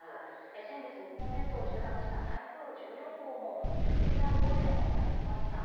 先月、日本列島を縦断した台風１４号も記録的な大雨をもたらしました。